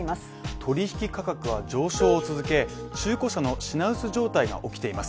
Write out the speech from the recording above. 取引価格は上昇を続け、中古車の品薄状態が起きています。